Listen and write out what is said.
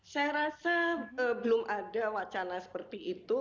saya rasa belum ada wacana seperti itu